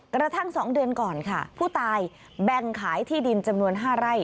กระทั่ง๒เดือนก่อนค่ะผู้ตายแบ่งขายที่ดินจำนวน๕ไร่